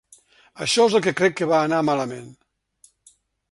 Això és el que crec que va anar malament.